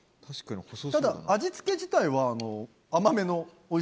ただ味付け自体はあの。